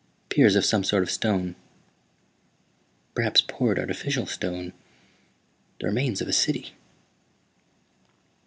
"Piers of some sort of stone. Perhaps poured artificial stone. The remains of a city."